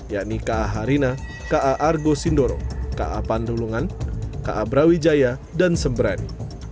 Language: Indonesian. yakni ka harina ka argo sindoro ka pandulungan ka brawijaya dan sembrani